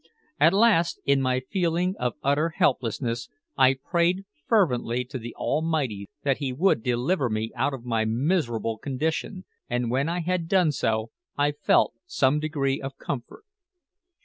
At last, in my feeling of utter helplessness, I prayed fervently to the Almighty that He would deliver me out of my miserable condition; and when I had done so I felt some degree of comfort.